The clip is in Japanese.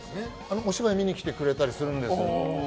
お芝居を見に来てくれたりするんです。